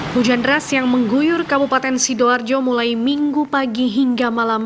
hujan deras yang mengguyur kabupaten sidoarjo mulai minggu pagi hingga malam